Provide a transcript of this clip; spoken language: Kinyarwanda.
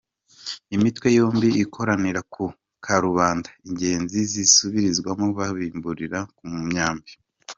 " Imitwe yombi ikoranira ku karubanda, inge zisubirwamo babimburira ku myambi.